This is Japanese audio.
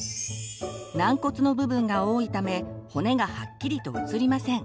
軟骨の部分が多いため骨がはっきりと写りません。